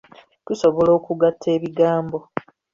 Tusobola okugatta ebigambo.